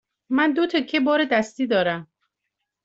من دو تکه بار دستی دارم.